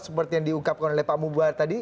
seperti yang diungkapkan oleh pak mubad tadi